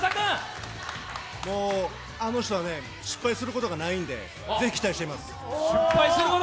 あの人は失敗することがないんで、ぜひ期待しています。